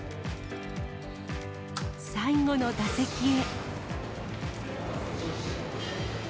最後の打席へ。